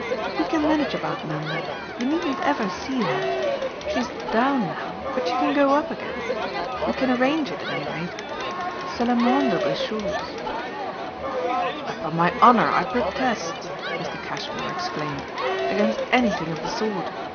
"We can manage about Nanda you needn't ever see her. She's 'down' now, but she can go up again. We can arrange it at any rate c'est la moindre des choses." "Upon my honour I protest," Mr. Cashmore exclaimed, "against anything of the sort!